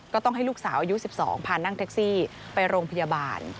ก็ต้องให้ลูกสาวอายุ๑๒พานั่งแท็กซี่ไปโรงพยาบาล